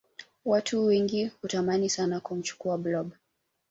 Watu wengi hutamani sana kumchukua blob